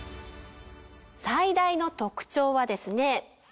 最大の特徴はですね